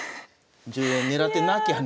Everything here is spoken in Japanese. １０円狙ってなきゃね。